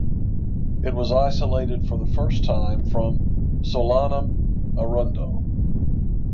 It was isolated for the first time from "Solanum arundo".